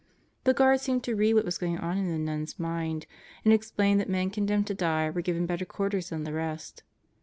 The guard seemed to read what was going on in the nun's mind and explained that men condemned to die were given better quarters than the rest.